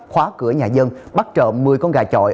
khóa cửa nhà dân bắt trộm một mươi con gà chọi